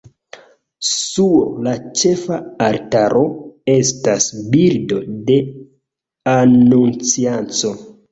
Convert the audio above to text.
Sur la ĉefa altaro estas bildo de Anunciacio.